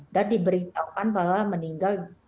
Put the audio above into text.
dan diberitakan bahwa meninggal